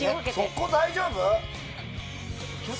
そこ、大丈夫？